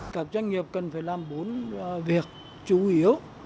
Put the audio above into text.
các doanh nghiệp cần phải làm bốn việc chủ yếu